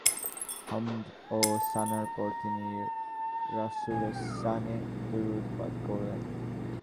হামদ ও ছানার পর তিনি রাসূলের শানে দরূদ পাঠ করলেন।